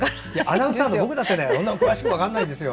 アナウンサーの僕だって詳しくは分からないですよ。